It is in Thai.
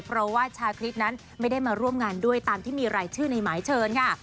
เพราะว่าชาคริสนั้นไม่ได้มาร่วมงานด้วยตามที่มีรายชื่อในหมายเชิญค่ะ